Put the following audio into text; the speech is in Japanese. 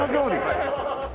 はい。